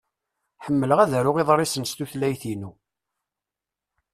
Ḥemmleɣ ad aruɣ iḍrisen s tutlayt-inu.